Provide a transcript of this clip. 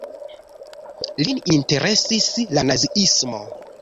Lin interesis la Naziismo.